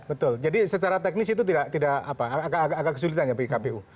betul jadi secara teknis itu tidak agak kesulitan ya bagi kpu